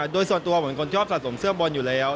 โดยส่วนตัวผมก็ชอบสะสมเสื้อบอลอยู่แล้ว